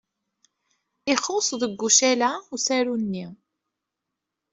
Ixuṣṣ deg ucala usaru-nni.